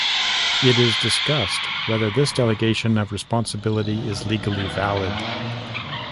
It is discussed whether this delegation of responsibility is legally valid.